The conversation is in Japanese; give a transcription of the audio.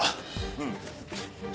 うん。